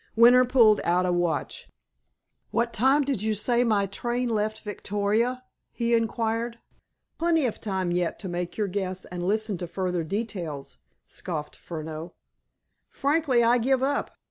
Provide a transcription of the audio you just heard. Winter pulled out a watch. "What time did you say my train left Victoria?" he inquired. "Plenty of time yet to make your guess and listen to further details," scoffed Furneaux. "Frankly, I give it up.